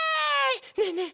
ねえねえ